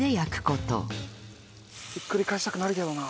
ひっくり返したくなるけどな。